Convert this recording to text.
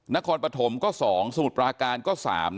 นครปฐมก็๒สมุทรปราการก็๓